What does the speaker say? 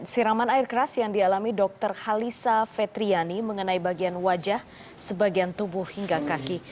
siraman air keras yang dialami dokter halisa fetriani mengenai bagian wajah sebagian tubuh hingga kaki